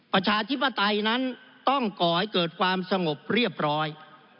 ประชาธิปไตยนั้นต้องก่อให้เกิดความสงบเรียบร้อย